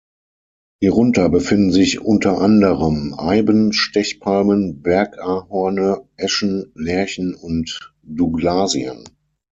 Hierunter befinden sich unter anderem Eiben, Stechpalmen, Berg-Ahorne, Eschen, Lärchen und Douglasien.